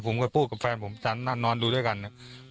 ผมก็พูดกับแฟนผมนั่งนอนดูด้วยกันอืม